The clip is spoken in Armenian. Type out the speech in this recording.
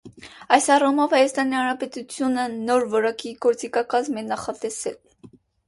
Այս առումով Հայաստանի Հանրապետությունը նոր որակի գործիքակազմ է նախատեսել: